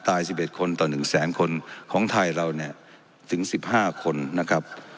ตายสิบเอ็ดคนต่อหนึ่งแสนคนของไทยเราเนี่ยถึงสิบห้าคนนะครับ